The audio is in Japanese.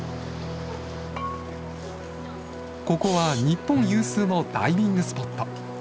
ここは日本有数のダイビングスポット。